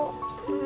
aku mau tau